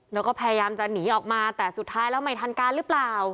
แล้วก็พยายามจะหนีออกมาแต่สุดท้ายแล้วไม่ทันการหรือเปล่า